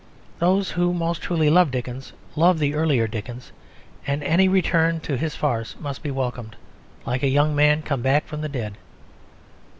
Those who most truly love Dickens love the earlier Dickens; and any return to his farce must be welcomed, like a young man come back from the dead.